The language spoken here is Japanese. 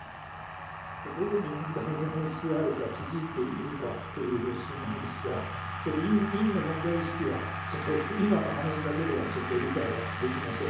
どこに問題の本質があるか気付いているかというご質問ですが、委員の問題意識は、ちょっと今の話だけではちょっと理解はできません。